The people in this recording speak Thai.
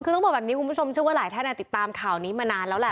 คือต้องบอกแบบนี้คุณผู้ชมเชื่อว่าหลายท่านติดตามข่าวนี้มานานแล้วแหละ